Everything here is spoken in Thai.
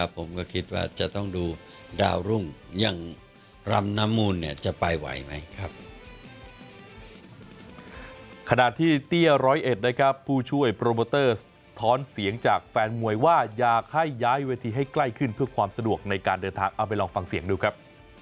ผมก็คิดว่าจะต้องดูดาวรุ่งยังลำน้ำมุนจะไปไหวไหมครับ